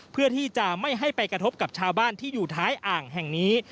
เพื่อที่จะไม่ให้ไปกระทบกับชาวบ้านที่อยู่ท้ายอ่างแห่งนี้